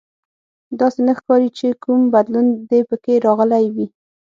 داسې نه ښکاري چې کوم بدلون دې پکې راغلی وي